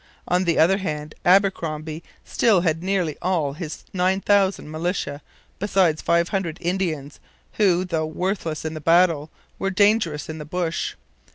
On the other hand, Abercromby still had nearly all his 9,000 militia, besides 500 Indians; who, though worthless in the battle, were dangerous in the bush.